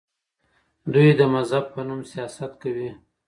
دوی د مذهب په نوم سیاست کوي.